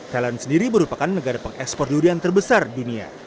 thailand sendiri merupakan negara pengekspor durian terbesar dunia